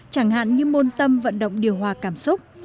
chẳng hạn như môn tâm vận động điều hòa cảm xúc